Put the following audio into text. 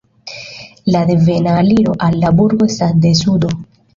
La devena aliro al la burgo estas de sudo.